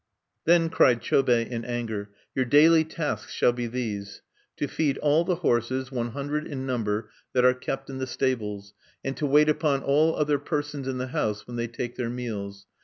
"Then," cried Chobei in anger, "your daily tasks shall be these: "To feed all the horses, one hundred in number, that are kept in the stables, and to wait upon all other persons in the house when they take their meals.